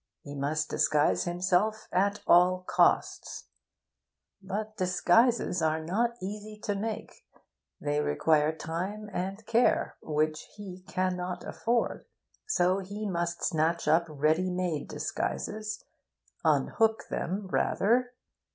He must disguise himself at all costs. But disguises are not easy to make; they require time and care, which he cannot afford. So he must snatch up ready made disguises unhook them, rather.